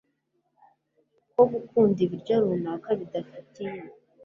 ko gukunda ibyokurya runaka bidafitiye